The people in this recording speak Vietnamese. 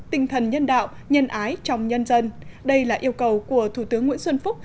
tinh thần nhân đạo nhân ái trong nhân dân đây là yêu cầu của thủ tướng nguyễn xuân phúc